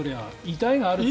痛いがあるから。